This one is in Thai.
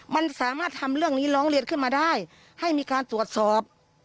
มันสามารถทำเรื่องนี้ร้องเรียนขึ้นมาได้ให้มีการตรวจสอบ